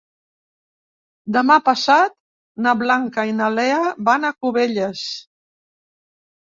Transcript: Demà passat na Blanca i na Lea van a Cubelles.